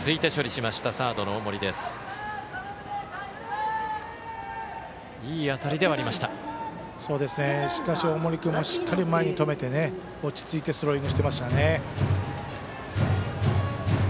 しかし、大森君もしっかり止めて落ち着いてスローイングしていましたよね。